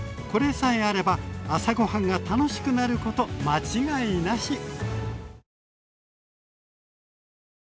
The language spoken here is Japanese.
これさえあれば朝ごはんが楽しくなること間違いなし！